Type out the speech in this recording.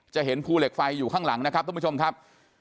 จะเห็นภูเหล็กไฟอยู่ข้างหลังนะครับทุกผู้ชมครับ